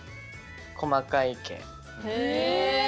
細かい毛。